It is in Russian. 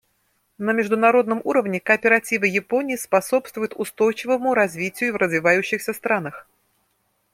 На международном уровне кооперативы Японии способствуют устойчивому развитию в развивающихся странах.